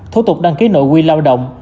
thủ tục đăng ký nội quy lao động